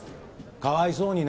かわいそうにな。